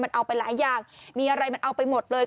มันเอาไปหลายอย่างมีอะไรมันเอาไปหมดเลย